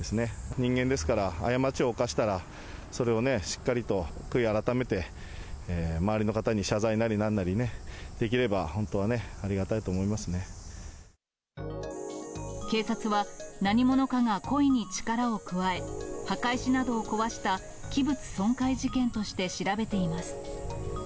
人間ですから、過ちを犯したら、それをしっかりと悔い改めて、周りの方に謝罪なり、なんなりできれば本当はありがたいと思いま警察は、何者かが故意に力を加え、墓石などを壊した器物損壊事件として調べています。